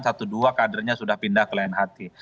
satu dua kadernya sudah pindah ke lain hati